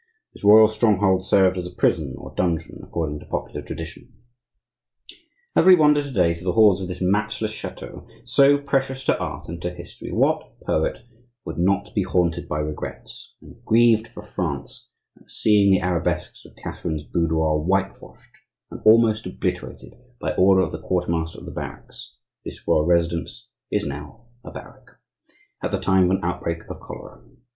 This royal stronghold served as a prison or dungeon, according to popular tradition. As we wander to day through the halls of this matchless chateau, so precious to art and to history, what poet would not be haunted by regrets, and grieved for France, at seeing the arabesques of Catherine's boudoir whitewashed and almost obliterated, by order of the quartermaster of the barracks (this royal residence is now a barrack) at the time of an outbreak of cholera.